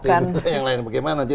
yang lain bagaimana